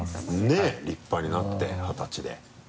ねぇ立派になって二十歳で。